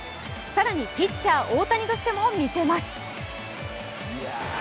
更に、ピッチャー・大谷としても見せます。